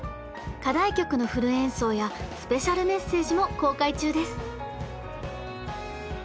課題曲のフル演奏やスペシャルメッセージも公開中です！